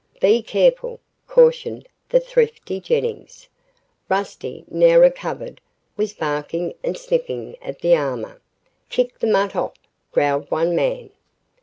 "Be careful," cautioned the thrifty Jennings. Rusty, now recovered, was barking and sniffing at the armor. "Kick the mutt off," growled one man.